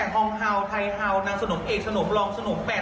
สั่งกงหรือเขาเรียกว่าแบบนางนายพวกเราวลากระโกงแล้ว